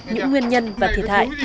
những nguyên nhân và thiệt hại